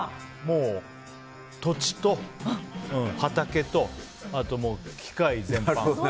土地と、畑と、機械全般。